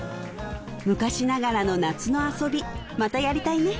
昔ながらの夏の遊びまたやりたいね